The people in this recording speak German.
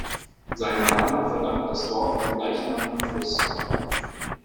Seinen Namen verdankt das Dorf dem gleichnamigen Fluss.